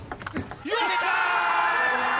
よし！